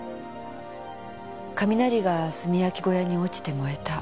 雷が炭焼き小屋に落ちて燃えた。